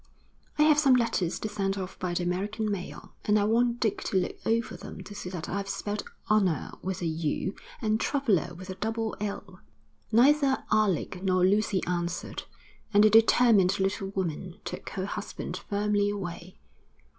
'I have some letters to send off by the American mail, and I want Dick to look over them to see that I've spelt honour with a u and traveller with a double l.' Neither Alec nor Lucy answered, and the determined little woman took her husband firmly away.